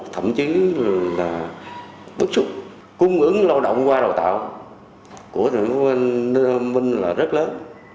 thậm chí là bước xuất cung ứng lao động qua đào tạo của thủ đô minh là rất lớn